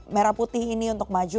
merah putih ini untuk maju